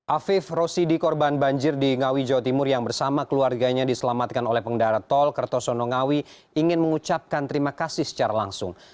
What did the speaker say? afif rosidi korban banjir di ngawi jawa timur yang bersama keluarganya diselamatkan oleh pengendara tol kertosono ngawi ingin mengucapkan terima kasih secara langsung